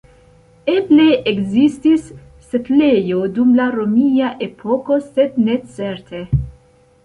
Eble ekzistis setlejo dum la romia epoko sed ne certe.